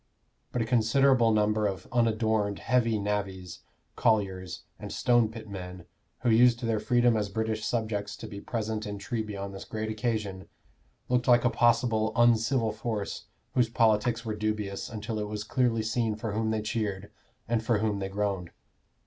But a considerable number of unadorned heavy navvies, colliers, and stone pit men, who used their freedom as British subjects to be present in Treby on this great occasion, looked like a possible uncivil force whose politics were dubious until it was clearly seen for whom they cheered and for whom they groaned.